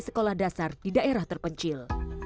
sekolah dasar di daerah terpencil